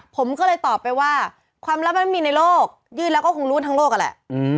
ผมก็เลยตอบไปว่าความลับมันไม่มีในโลกยื่นแล้วก็คงรู้ทั้งโลกนั่นแหละ